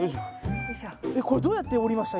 えっこれどうやって下りました？